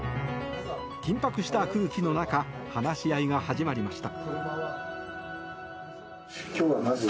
緊迫した空気の中話し合いが始まりました。